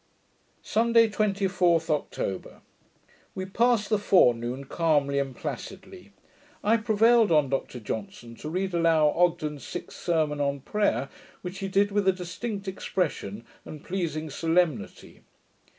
Sunday, 24th October We passed the forenoon calmly and placidly. I prevailed on Dr Johnson to read aloud Ogden's sixth sermon on prayer, which he did with a distinct expression, and pleasing solemnity.